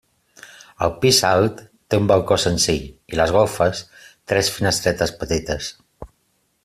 El pis alt té un balcó senzill i les golfes tres finestretes petites.